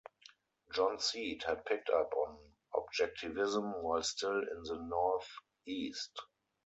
John Seed had picked up on Objectivism while still in the North-East.